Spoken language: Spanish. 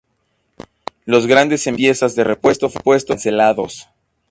Los grandes envíos de piezas de repuesto fueron cancelados.